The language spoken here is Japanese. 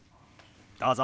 どうぞ。